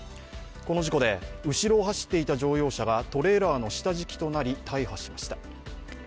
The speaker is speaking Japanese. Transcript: この事故で後ろを走っていた乗用車がトレーラーの下敷きとなり大破しました。